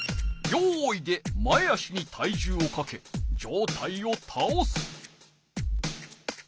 「よい」で前足に体重をかけ上体をたおす。